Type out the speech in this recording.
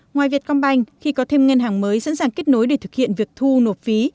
ngoài việt công banh khi có thêm ngân hàng mới sẵn sàng kết nối để thực hiện việc thu nộp phí